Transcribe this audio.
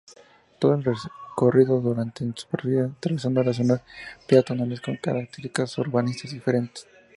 Todo el recorrido discurre en superficie, atravesando dos zonas peatonales con características urbanísticas diferentes.